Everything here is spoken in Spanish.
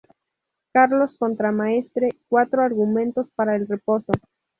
Carlos Contramaestre: Cuatro argumentos para el reposo.